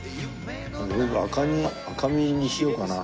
僕赤身赤身にしようかな。